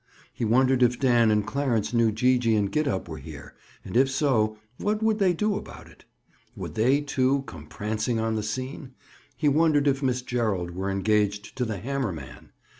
He wondered if Dan and Clarence knew Gee gee and Gid up were here, and if so, what would they do about it? Would they, too, come prancing on the scene? He wondered if Miss Gerald were engaged to the hammer man?